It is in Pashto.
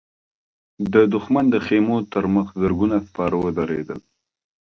د دښمن د خيمو تر مخ زرګونه سپاره ودرېدل.